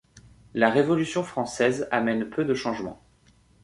La Révolution française amène peu de changements.